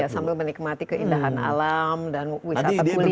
sambil menikmati keindahan alam dan wisata kuliner